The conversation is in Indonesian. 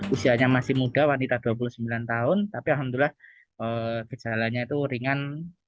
usianya masih muda wanita dua puluh sembilan tahun tapi alhamdulillah gejalanya itu ringan